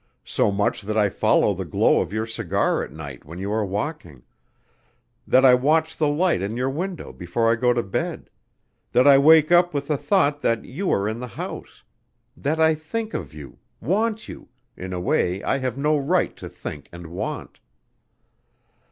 so much that I follow the glow of your cigar at night when you are walking ... that I watch the light in your window before I go to bed ... that I wake up with the thought that you are in the house ... that I think of you ... want you ... in a way I have no right to think and want."